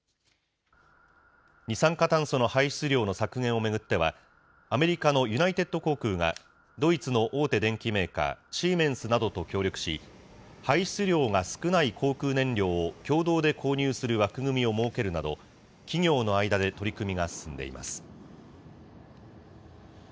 二酸化炭素の排出量の削減を巡っては、アメリカのユナイテッド航空がドイツの大手電機メーカー、シーメンスなどと協力し、排出量が少ない航空燃料を共同で購入する枠組みを設けるなど、企業の間で取り組みが進んでいます。